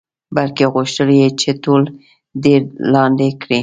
بلکې غوښتل یې چې ټول دیر لاندې کړي.